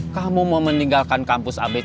kamu mau meninggalkan kampus abk